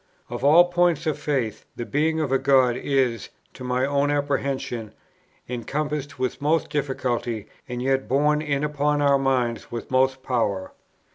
Of all points of faith, the being of a God is, to my own apprehension, encompassed with most difficulty, and yet borne in upon our minds with most power.